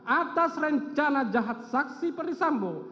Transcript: atas rencana jahat saksi perisambo